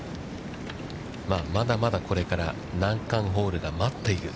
まだまだ、これから難関ホールが待っている。